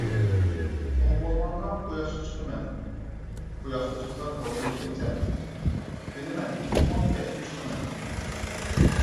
_ چوڭ بولغاندا، قۇياشقا چىقىمەن. _ قۇياشقا چىقساڭ، كاۋاپ بولۇپ كېتىسەن. _ بىلىمەن، شۇڭا كەچتە چىقىمەن.